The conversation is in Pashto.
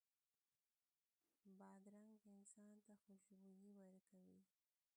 بادرنګ انسان ته خوشبويي ورکوي.